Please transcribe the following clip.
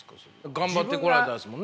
頑張ってこられたんですもんね。